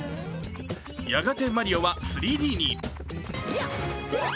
やがて「マリオ」は３Ｄに。